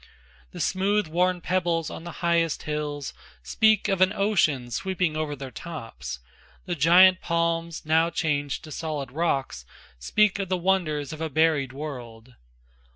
The smooth worn pebbles on the highest hills Speak of an ocean sweeping o'er their tops; The giant palms, now changed to solid rocks, Speak of the wonders of a buried world.